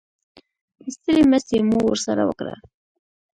ستړې مسې مو ورسره وکړه.